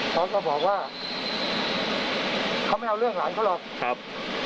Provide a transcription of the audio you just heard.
เขาก็บอกว่าเขาไม่เอาเรื่องหลานเขาหรอกครับ